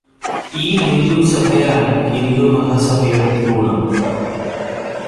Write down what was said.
ഈ ഹിന്ദു സഭയാണു ഹിന്ദുമഹാസഭയുടെ ഭ്രൂണം.